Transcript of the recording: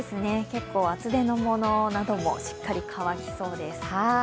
結構、厚手のものなどもしっかり乾きそうです。